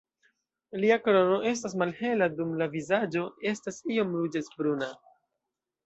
Lia krono estas malhela dum la vizaĝo estas iom ruĝecbruna.